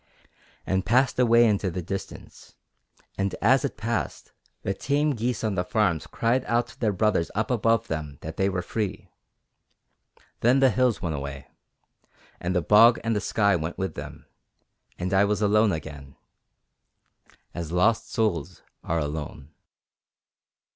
and passed away into the distance; and as it passed, the tame geese on the farms cried out to their brothers up above them that they were free. Then the hills went away, and the bog and the sky went with them, and I was alone again, as lost souls are alone.